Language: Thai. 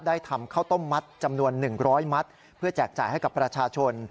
ทำข้าวต้มมัดจำนวน๑๐๐มัตต์เพื่อแจกจ่ายให้กับประชาชน